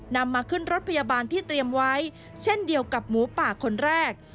นำมาขึ้นรถพยาบาลที่เตรียมไว้เช่นเดียวกับหมูป่าคนแรก